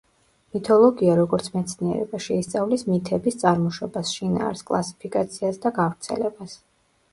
მითოლოგია, როგორც მეცნიერება, შეისწავლის მითების წარმოშობას, შინაარსს, კლასიფიკაციას და გავრცელებას.